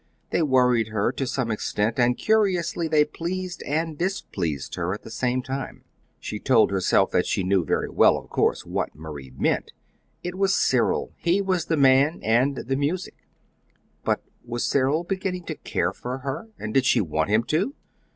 They worried her, to some extent, and, curiously, they pleased and displeased her at the same time. She told herself that she knew very well, of course, what Marie meant: it was Cyril; he was the man, and the music. But was Cyril beginning to care for her; and did she want him to?